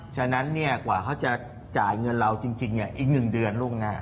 ฉะนั้นกว่าเขาจะจ่ายเงินเราจริงอีก๑เดือนล่วงหน้า